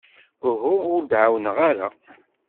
Uhu, ur d-ɛawneɣ ara.